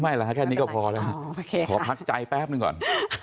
แค่นี้ก็พอแล้วขอพักใจแป๊บหนึ่งก่อน